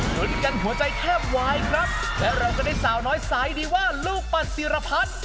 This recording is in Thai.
ลุ้นกันหัวใจแทบวายครับและเราก็ได้สาวน้อยสายดีว่าลูกปั่นศิรพัฒน์